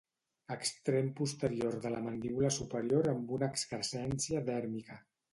Extrem posterior de la mandíbula superior amb una excrescència dèrmica.